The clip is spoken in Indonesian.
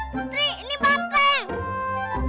putri ini banteng